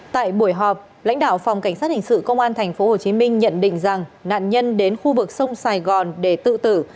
tại buổi họp lãnh đạo phòng cảnh sát hình sự công an tp hcm nhận định rằng nạn nhân đến khu vực sông sài gòn để tự tử